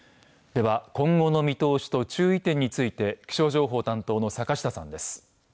では今後の見通しと注意点について気象情報担当の坂下さんです。